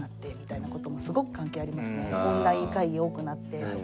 オンライン会議多くなってとか。